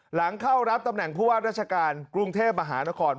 หลังเข้ารับตำแหน่งผู้ว่าราชการกรุงเทพมหานคร